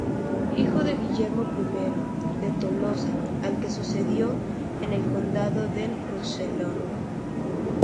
Hijo de Guillermo I de Tolosa al que sucedió en el condado del Rosellón.